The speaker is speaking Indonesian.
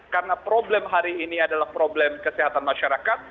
karena problem hari ini adalah problem kesehatan masyarakat